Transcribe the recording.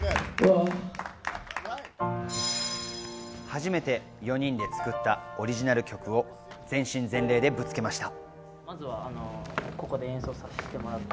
初めて４人で作ったオリジナル曲を全身全霊でぶつけました。